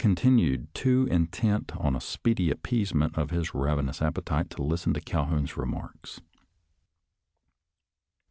'" Jack had continued too intent on a speedy appeasement of his ravenous appetite to listen to Calhoun's remarks.